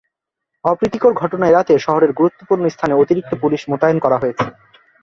অপ্রীতিকর ঘটনা এড়াতে শহরের গুরুত্বপূর্ণ স্থানে অতিরিক্ত পুলিশ মোতায়েন করা হয়েছে।